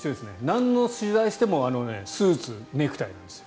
なんの取材してもスーツ、ネクタイなんです。